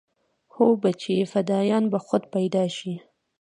هو بچى فدايان به خود پيدا شي.